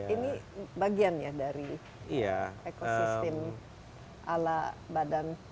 ini bagian ya dari ekosistem ala badan